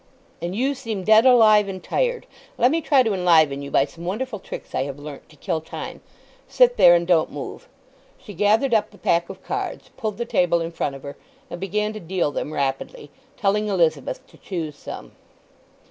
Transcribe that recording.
"And you seem dead alive and tired. Let me try to enliven you by some wonderful tricks I have learnt, to kill time. Sit there and don't move." She gathered up the pack of cards, pulled the table in front of her, and began to deal them rapidly, telling Elizabeth to choose some.